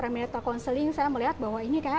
militer counseling saya melihat bahwa ini kayaknya